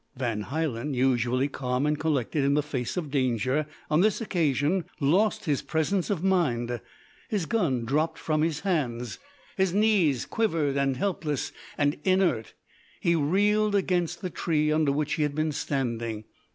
Van Hielen, usually calm and collected in the face of danger, on this occasion lost his presence of mind: his gun dropped from his hands, his knees quivered, and, helpless and inert, he reeled against the tree under which he had been standing.